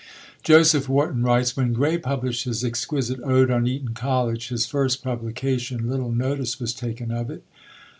Joseph Warton writes, "When Gray published his exquisite Ode on Eton College, his first publication, little notice was taken of it."